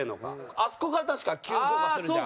あそこから確か急降下するじゃん。